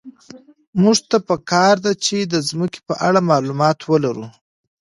موږ ته په کار ده چي د مځکي په اړه معلومات ولرو.